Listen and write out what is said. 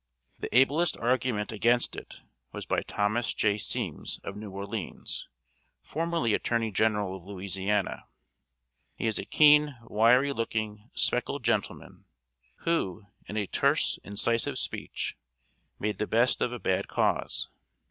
The ablest argument against it was by Thomas J. Semmes, of New Orleans, formerly attorney general of Louisiana. He is a keen, wiry looking, spectacled gentleman, who, in a terse, incisive speech, made the best of a bad cause.